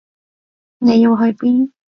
你要去邊？